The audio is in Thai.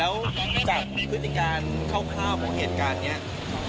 แล้วจากพฤติการเข้าข้าวพวกเหตุการณ์นี้